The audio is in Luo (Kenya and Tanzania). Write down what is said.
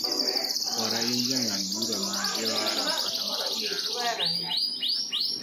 kwara in, jang'ad bura ma joarab kata marachar onge kendo e gweng',wan